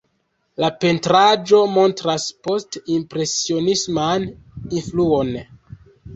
La pentraĵo montras post-impresionisman influon.